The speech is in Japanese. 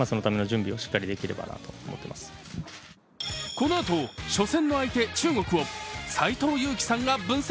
このあと、初戦の相手・中国を斎藤佑樹さんが分析。